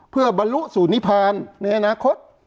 เพื่อบรรลุสู่นิพานในอนาคต